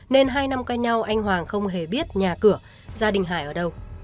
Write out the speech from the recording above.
nên hai năm cách nhau anh hoàng không hề biết nhà cửa gia đình hải ở đâu